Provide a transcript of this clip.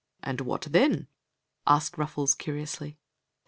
And what then? as|ced Ruffles, curiou^y.